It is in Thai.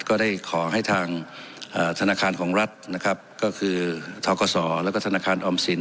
ก็ได้ขอให้ทางธนาคารของรัฐนะครับก็คือทกศแล้วก็ธนาคารออมสิน